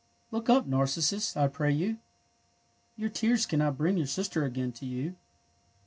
'^ Look up, Narcissus, I pray you! Tour tears cannot bring your sister again to you.